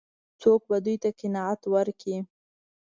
څوک به دوی ته قناعت ورکړي؟